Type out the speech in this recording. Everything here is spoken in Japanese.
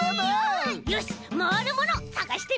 よしまわるものさがしてみよう！